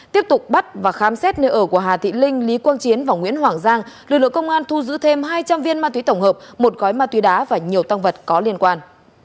tiếp tục bắt và khám xét nơi ở của hà thị linh lý quang chiến và nguyễn hoàng giang lực lượng công an thu giữ thêm hai trăm linh viên ma túy tổng hợp một gói ma túy đá và nhiều tăng vật có liên quan